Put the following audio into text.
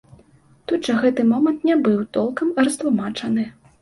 Тут жа гэты момант не быў толкам растлумачаны.